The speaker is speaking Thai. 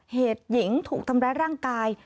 เหตุหญิงถูกทำร้ายร่างกาย